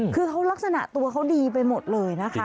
คือเขาลักษณะตัวเขาดีไปหมดเลยนะคะ